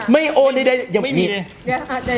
ไม่โอนใครเลย